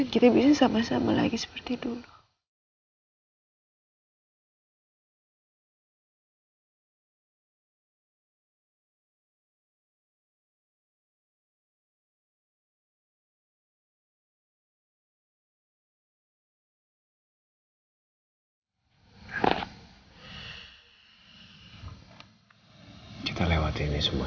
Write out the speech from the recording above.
kalau bukan aku pelakunya mas